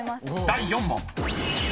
［第４問］